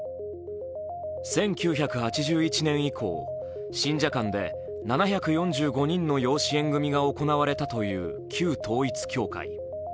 １９８１年以降、信者間で７４５人の養子縁組が行われたという旧統一教会。